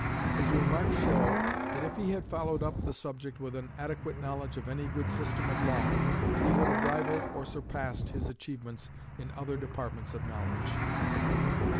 His remarks show, that, if he had followed up the subject with an adequate knowledge of any good system of law, he would have rivalled or surpassed his achievements in other departments of knowledge.